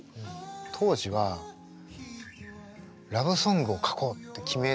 当時はラブソングを書こうって決めて書いたのこの曲は。